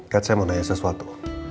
kat saya mau tanya sesuatu